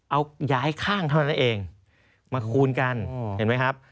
เอาย้ายข้างเท่านั้นเองมาคูณกันเห็นไหมครับ